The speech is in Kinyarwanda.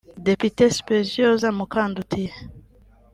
Depite Speciose Mukandutiye